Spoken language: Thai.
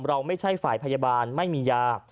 เราไม่ใช่ฝ่ายพยาบาลไม่มียา